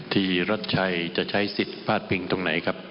รัชชัยจะใช้สิทธิ์พลาดพิงตรงไหนครับ